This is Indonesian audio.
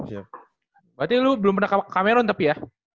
berarti lo belum pernah kamerun tapi ya